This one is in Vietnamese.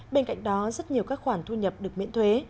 bên cạnh đó rất nhiều các khoản thu nhập được miễn thuế